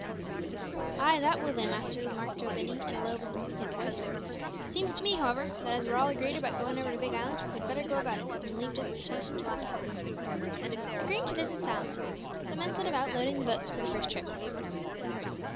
"Ay, that will they, master," remarked Joe Binney, in a low but significant voice. "Seems to me, however, that as we're all agreed about goin' over to Big Island, we'd better go about it an' leave disputation till afterwards." Agreeing to this in silence, the men set about loading the boats for the first trip.